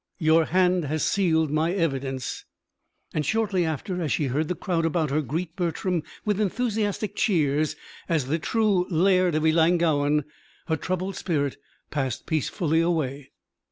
your hand has sealed my evidence." And shortly after, as she heard the crowd about her greet Bertram with enthusiastic cheers as the true Laird of Ellangowan, her troubled spirit passed peacefully away.